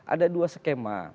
ada dua skema